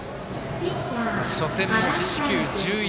初戦も四死球１１。